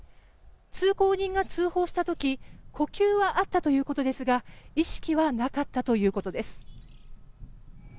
通行人が通報した時呼吸はあったということですが意識はなかったということです。